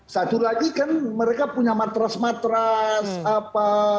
satu lagi kan mereka punya matras matras apa